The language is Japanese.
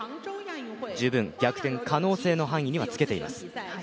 十分、逆転可能性の範囲にはつけています。